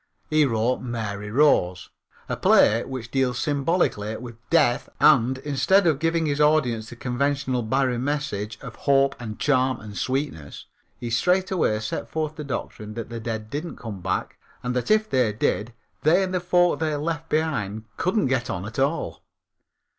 He wrote Mary Rose, a play which deals symbolically with death and, instead of giving his audiences the conventional Barrie message of hope and charm and sweetness, he straightway set forth the doctrine that the dead didn't come back and that if they did they and the folk they left behind couldn't get on at all.